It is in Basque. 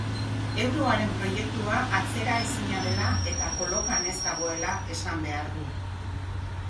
Euroaren proiektua atzeraezina dela eta kolokan ez dagoela esan behar du.